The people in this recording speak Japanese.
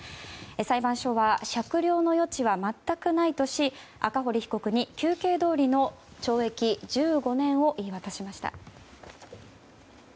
裁判所は酌量の余地は全くないとし赤堀被告に求刑どおりの懲役１５年を言い渡しました。